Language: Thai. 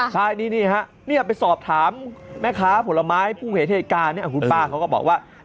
ค่ะนี่นะฮะเนี่ยไปสอบถามแม่ค้าผลไม้ภูมิเหตุเหตุการณ์คุณป้าเขาก็บอกว่า